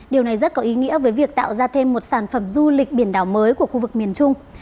điều này rất có ý nghĩa với việc tạo ra thêm một sản phẩm du lịch biển đảo mới của khu vực miền trung